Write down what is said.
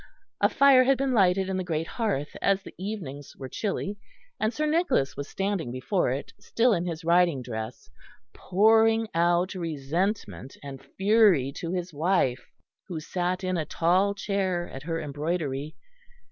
A fire had been lighted in the great hearth as the evenings were chilly; and Sir Nicholas was standing before it, still in his riding dress, pouring out resentment and fury to his wife, who sat in a tall chair at her embroidery.